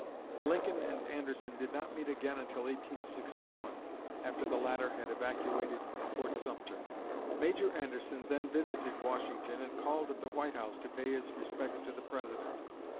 Lincoln and Anderson did not meet again until 1861, after the latter had evacuated Fort Sumter. Major Anderson then visited Washington and called at the White House to pay his respects to the President.